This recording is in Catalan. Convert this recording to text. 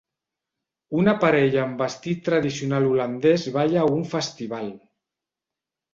Una parella amb vestit tradicional holandès balla a un festival